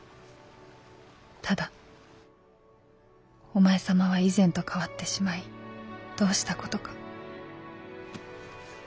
ただお前様は以前と変わってしまいどうしたことか」。